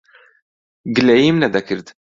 گلەییم نەدەکرد.